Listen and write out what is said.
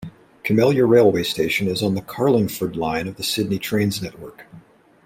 Camellia railway station is on the Carlingford Line of the Sydney Trains network.